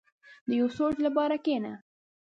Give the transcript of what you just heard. • د یو سوچ لپاره کښېنه.